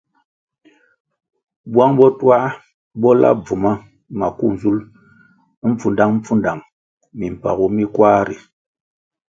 Bwang bo twā bo la bvuma maku nzulʼ mpfudangpfudang mimpagu mi kwar ri.